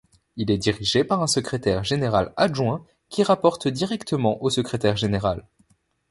Il est dirigé par un secrétaire général adjoint qui rapporte directement au secrétaire général.